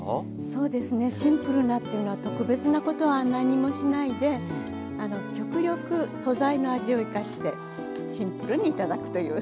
そうですねシンプルなっていうのは特別なことは何もしないで極力素材の味を生かしてシンプルに頂くという。